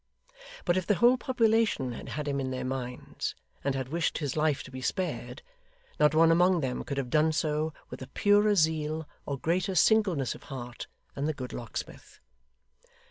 But if the whole population had had him in their minds, and had wished his life to be spared, not one among them could have done so with a purer zeal or greater singleness of heart than the good locksmith.